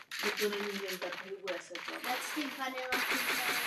To usnadňuje uživatelům Windows přejít na Linux.